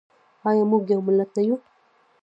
آیا موږ یو ملت نه یو؟